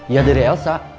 ya dari elsa